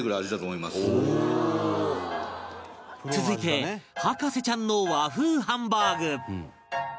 続いて博士ちゃんの和風ハンバーグ